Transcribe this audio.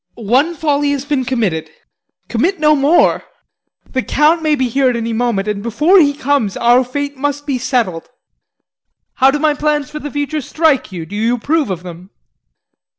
One folly has been committed commit no more. The Count may be here at any moment, and before he comes, our fate must be settled. How do my plans for the future strike you? Do you approve of them?